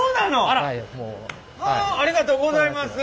ありがとうございます。